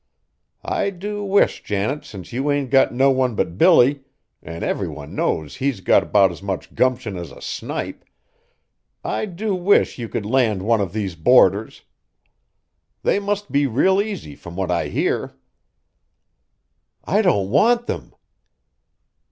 I do wish, Janet, since you ain't got no one but Billy, an' every one knows he's got 'bout as much gumption as a snipe, I do wish you could land one of these boarders. They must be real easy from what I hear." "I don't want them!"